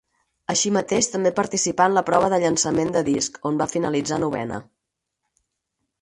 Així mateix també participà en la prova de llançament de disc, on va finalitzar novena.